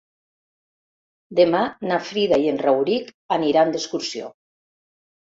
Demà na Frida i en Rauric aniran d'excursió.